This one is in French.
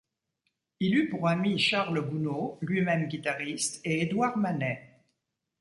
Il eut pour amis Charles Gounod, lui-même guitariste, et Édouard Manet.